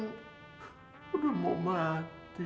gue belum mau mati